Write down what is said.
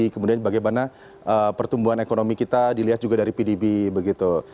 kemudian bagaimana pertumbuhan ekonomi kita dilihat juga dari pdb begitu